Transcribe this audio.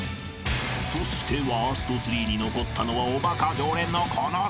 ［そしてワースト３に残ったのはおバカ常連のこの３人］